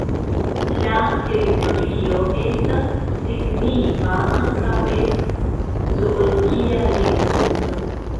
La teritorio estas signifa ankaŭ el zoologia vidpunkto.